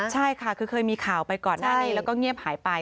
ใช่ค่ะคือเคยมีข่าวไปก่อนหน้านี้แล้วก็เงียบหายไป